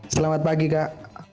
selamat pagi kak